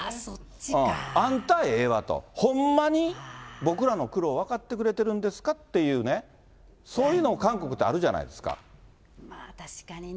あんたええわと、ほんまに僕らの苦労、分かってくれてるんですかっていうね、そういうの、まあ、確かにね。